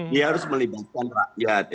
dia harus melibatkan rakyat